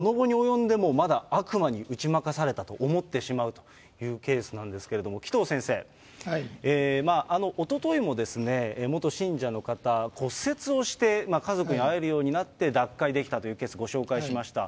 居眠り運転で事故になって、この期に及んでもまだ悪魔に打ち負かされたと思ってしまうというケースなんですけれども、紀藤先生、おとといも元信者の方、骨折をして家族に会えるようになって脱会できたというケース、ご紹介しました。